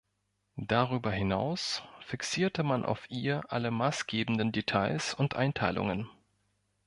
Darüber hinaus fixierte man auf ihr alle maßgebenden Details und Einteilungen.